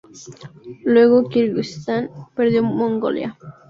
Luego Kirguistán perdió Mongolia.